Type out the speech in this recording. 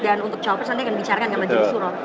dan untuk capres nanti akan dibicarakan dengan majelis suro